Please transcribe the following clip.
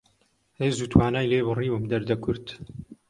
هێز و توانای لێ بڕیوم دەردە کورد